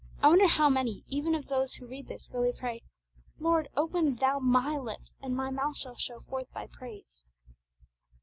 I wonder how many, even of those who read this, really pray, 'O Lord, open Thou my lips, and my mouth shall show forth Thy praise.'